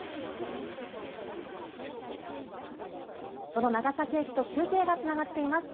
その長崎駅と中継がつながっています。